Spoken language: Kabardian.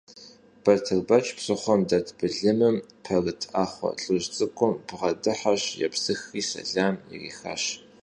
Батырбэч псыхъуэм дэт былымым пэрыт Ӏэхъуэ лӀыжь цӀыкӀум бгъэдыхьэщ, епсыхри сэлам ирихащ.